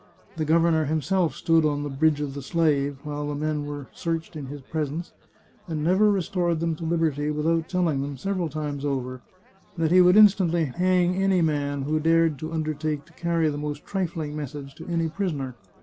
The governor him self stood on the " Bridge of the Slave " while the men were searched in his presence, and never restored them to Hberty without telling them, several times over, that he would in stantly hang any man who dared to undertake to carry the most trifling message to any prisoner.